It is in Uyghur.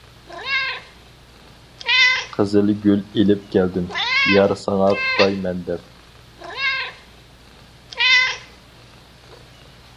قىزىل گۈل ئېلىپ كەلدىم، يار ساڭا تۇتاي مەن دەپ.